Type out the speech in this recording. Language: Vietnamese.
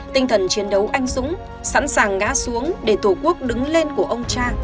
tinh thần chiến đấu anh súng sẵn sàng ngá xuống để tổ quốc đứng lên của ông cha